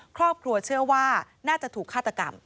ครอบครัวเชื่อว่าน่าจะถูกฆาตกรรม